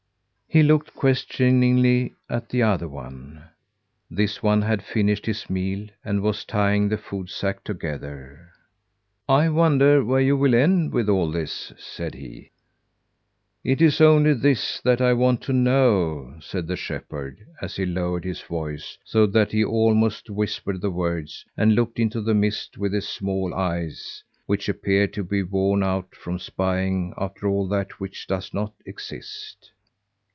He looked questioningly at the other one. This one had finished his meal, and was tying the food sack together. "I wonder where you will end with all this," said he. "It is only this that I want to know," said the shepherd, as he lowered his voice so that he almost whispered the words, and looked into the mist with his small eyes, which appeared to be worn out from spying after all that which does not exist.